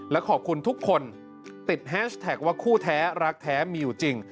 และขอบคุณทุกคนติดแฮชแท็กว่าคู่แท้รักแท้มีอยู่จริง